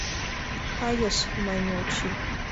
— Кайыш, — мане Очи.